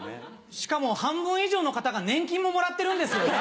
しかも半分以上の方が年金ももらってるんですよね。